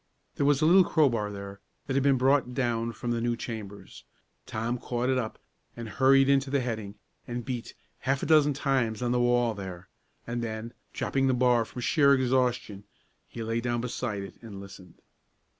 There was a little crowbar there, that had been brought down from the new chambers. Tom caught it up, and hurried into the heading, and beat, half a dozen times, on the wall there, and then, dropping the bar from sheer exhaustion, he lay down beside it and listened.